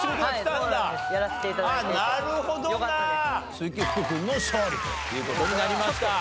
鈴木福君の勝利という事になりました。